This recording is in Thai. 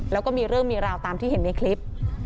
แล้วก็มีเรื่องมีราวตามที่เห็นในคลิป